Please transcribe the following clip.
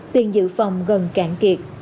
tiền dự phòng gần cạn kiệt